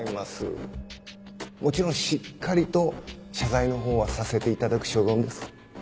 もちろんしっかりと謝罪の方はさせていただく所存です。